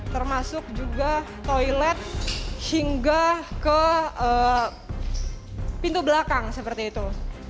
termasuk juga toilet hingga ke pintu belakang seperti itu